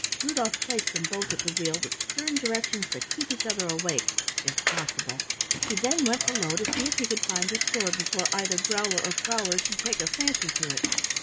Rudolf placed them both at the wheel with stern directions to keep each other awake if possible. He then went below to see if he could find his sword before either Growler or Prowler should take a fancy to it.